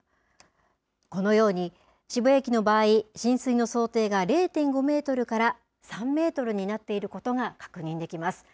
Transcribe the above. このように、渋谷駅の場合、浸水の想定が０．５メートルから３メートルになっていることが確認できます。